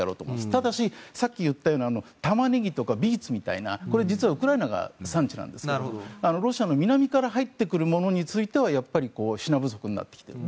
ただしさっき言ったようなタマネギとかビーツみたいなこれ、実はウクライナが産地なんですけどロシアの南から入ってくるものについては品不足になってきている。